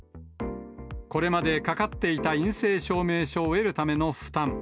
これまでかかっていた陰性証明書を得るための負担。